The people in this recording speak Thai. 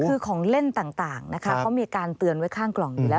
คือของเล่นต่างนะคะเขามีการเตือนไว้ข้างกล่องอยู่แล้ว